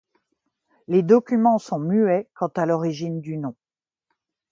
Les documents sont muets quant à l'origine du nom.